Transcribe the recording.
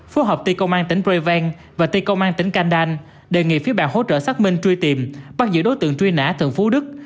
phố hợp tây công an tỉnh preven và tây công an tỉnh canh đan đề nghị phía bàn hỗ trợ xác minh truy tìm bắt giữ đối tượng truy nã thượng phú đức